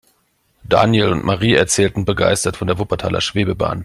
Daniel und Marie erzählten begeistert von der Wuppertaler Schwebebahn.